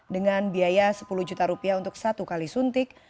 dengan biaya sepuluh juta rupiah untuk satu kali suntik